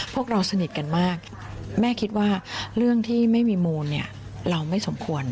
พวกเราสนิทกันมากแม่คิดว่าเรื่องที่ไม่มีมูลเนี่ยเราไม่สมควร